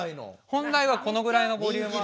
本来はこのぐらいのボリューム。